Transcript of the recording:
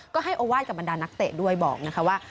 ก็ให้โอวาสกับบรรดานักเตะด้วยบอกนะคะว่า